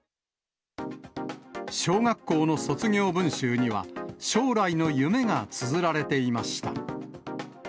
小学校の卒業文集には、将来の夢がつづられていました。